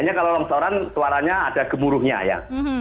hanya kalau longsoran suaranya ada gemuruhnya ya